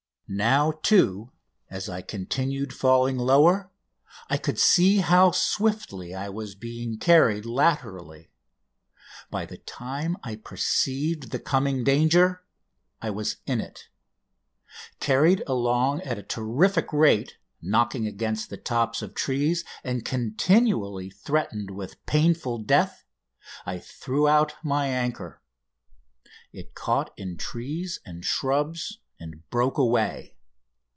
Now, too, as I continued falling lower, I could see how swiftly I was being carried laterally. By the time I perceived the coming danger I was in it. Carried along at a terrific rate, knocking against the tops of trees, and continually threatened with a painful death, I threw out my anchor. It caught in trees and shrubs and broke away.